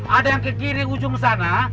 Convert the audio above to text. ada yang ke kiri ujung sana